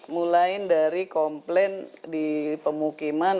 mulai dari komplain di pemukiman